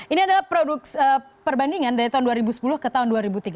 ini adalah produk perbandingan dari tahun dua ribu sepuluh ke tahun dua ribu tiga belas